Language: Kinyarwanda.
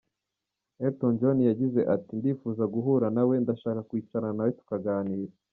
Elton John yagize ati “Ndifuza guhura na we, ndashaka kwicarana na we tukaganira.